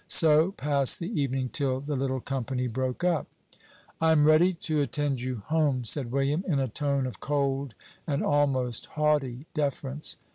So passed the evening till the little company broke up. "I am ready to attend you home," said William, in a tone of cold and almost haughty deference.